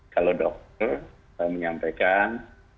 kalau dokter menyampaikan